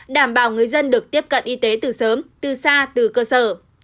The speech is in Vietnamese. đảm bảo người dân được tiếp cận y tế từ sớm từ xa từ cơ sở